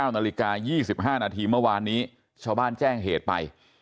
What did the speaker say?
๑๙น๒๕นเมื่อวานนี้ชาวบ้านแจ้งเหตุไป